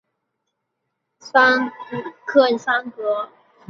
贡德勒克桑格。